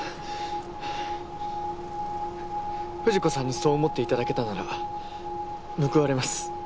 藤子さんにそう思っていただけたなら報われます。